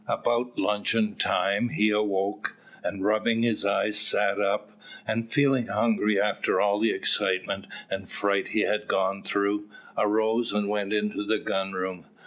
About luncheon time he awoke, and rubbing his eyes sat up, and feeling hungry after all the excitement and fright he had gone through, arose and went into the gun room.